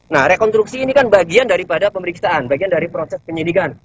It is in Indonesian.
nah rekonstruksi ini kan bagian daripada pemeriksaan bagian dari proses penyidikan